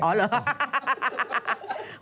อ๋อเหรอ